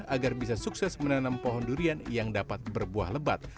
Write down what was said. agar bisa sukses menanam pohon durian yang dapat berbuah lebat